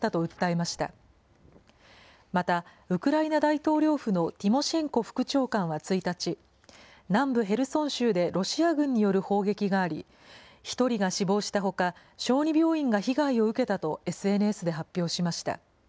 また、ウクライナ大統領府のティモシェンコ副長官は１日、南部ヘルソン州でロシア軍による砲撃があり、１人が死亡したほか、小児病院が被害を受けたとＳＮＳで発表しました。